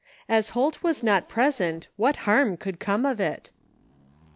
As Holt was not present what harm could come of it?